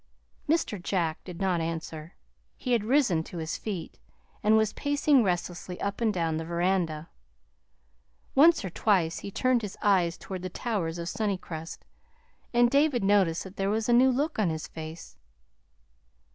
Mr. Jack did not answer. He had risen to his feet, and was pacing restlessly up and down the veranda. Once or twice he turned his eyes toward the towers of Sunnycrest, and David noticed that there was a new look on his face.